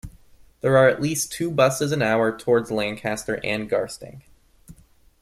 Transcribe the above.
There are at least two buses an hour towards Lancaster and Garstang.